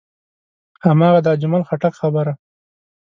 هماغه د اجمل خټک خبره.